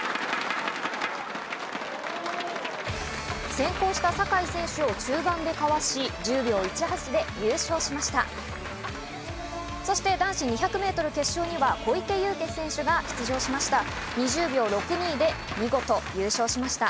先行した坂井選手を中盤でかわし、１０秒１８で優勝しました。